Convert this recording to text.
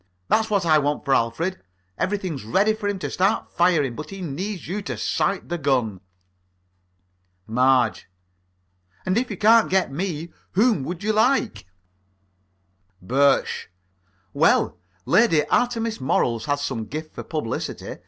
That's what I want for Alfred. Everything's ready for him to start firing, but he needs you to sight the gun. MARGE: And if you can't get me, whom would you like? BIRSCH: Well, Lady Artemis Morals has some gift for publicity.